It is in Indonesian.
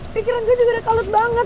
pikiran gua juga udah kalut banget